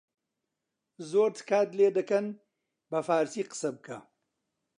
«زۆر تکات لێ دەکەن بە فارسی قسە بکە